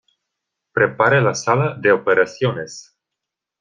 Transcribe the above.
¡ Prepare la sala de operaciones!